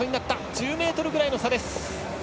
１０ｍぐらいの差です。